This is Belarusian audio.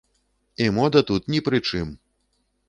І мода тут ні пры чым!